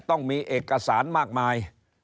ต้องมีเอกสารมากมาย